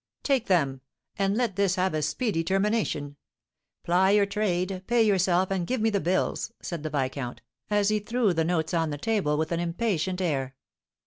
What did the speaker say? "Take them! and let this have a speedy termination. Ply your trade, pay yourself, and give me the bills," said the viscount, as he threw the notes on the table, with an impatient air.